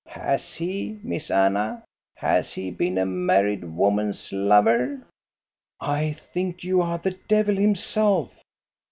Has he. Miss Anna, has he been a married woman's lover?" " I think you are the devil himself